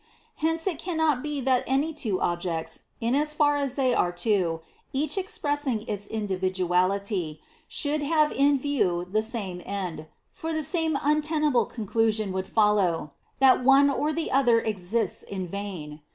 Hence it cannot be that any two objects, in as far as they are ^ two, each expressing its individuality, should/ have in view the same end, for the same unten able conclusion would follow that one or the I, See chapter 5. 98 DANTE ALIGHIERI [Bk. n other exists in vain.